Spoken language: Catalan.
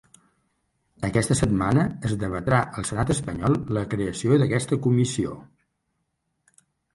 Aquesta setmana, es debatrà al senat espanyol la creació d’aquesta comissió.